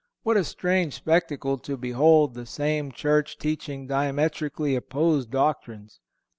What a strange spectacle to behold the same church teaching diametrically opposite doctrines!